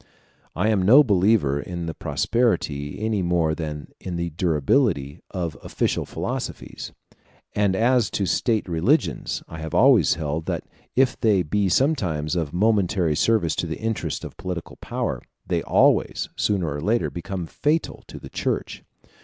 I am no believer in the prosperity, any more than in the durability, of official philosophies; and as to state religions, I have always held, that if they be sometimes of momentary service to the interests of political power, they always, sooner or later, become fatal to the Church.